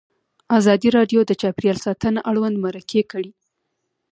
ازادي راډیو د چاپیریال ساتنه اړوند مرکې کړي.